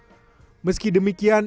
hai meski demikian